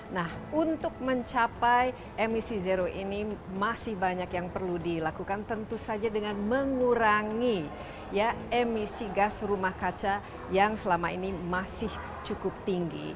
nah untuk mencapai emisi zero ini masih banyak yang perlu dilakukan tentu saja dengan mengurangi emisi gas rumah kaca yang selama ini masih cukup tinggi